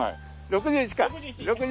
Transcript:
６１か。